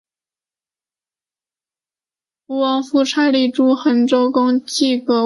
吴王夫差立邾桓公革继位。